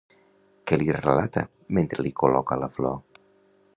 Què li relata, mentre li col·loca la flor?